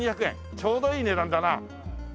ちょうどいい値段だな。